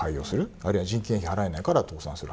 あるいは人件費払えないから倒産する廃業する。